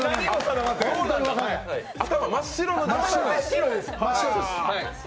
頭真っ白です。